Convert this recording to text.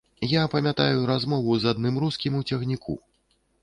Я памятаю размову з адным рускім у цягніку.